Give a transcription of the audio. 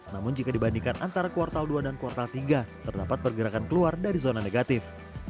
namun jika dibandingkan antara kuartal dua dan kuartal tiga terdapat pergerakan keluar dari zona negatif